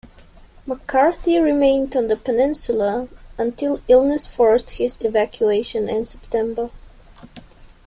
McCarthy remained on the peninsula until illness forced his evacuation in September.